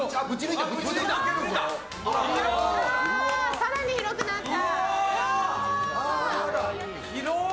更に広くなった。